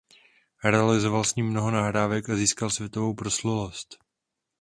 Realizoval s ním mnoho nahrávek a získal světovou proslulost.